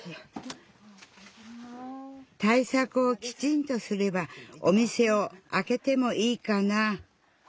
対策をきちんとすればお店をあけてもいいかな。